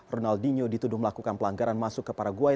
ronaldinho dituduh melakukan pelanggaran masuk ke paraguay